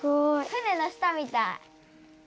船の下みたい。